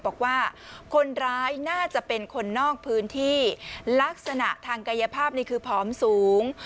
บอกว่าคนร้ายน่าจะเป็นคนนอกพื้นที่ลักษณะทางกายภาพนี่คือผอมสูง